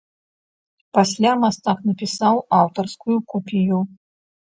Пасля мастак напісаў аўтарскую копію.